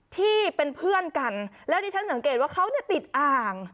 ที่เป็นเพื่อนกันแล้วที่ฉันสังเกตว่าเขาเนี่ยติดอ่าง